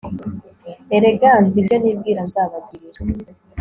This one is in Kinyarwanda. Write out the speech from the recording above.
erega nzi ibyo nibwira nzabagirira